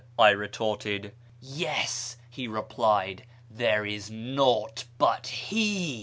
I retorted. "Yes," he replied, " there is naught but He."